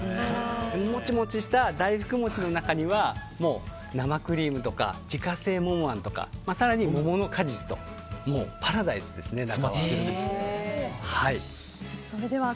モチモチした大福餅の中には生クリームとか自家製桃あんとか更に桃の果実ともうパラダイスですね、中は。